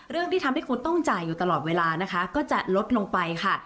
ที่ทำให้คุณต้องจ่ายอยู่ตลอดเวลานะคะก็จะลดลงไปค่ะ